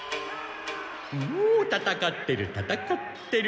お戦ってる戦ってる。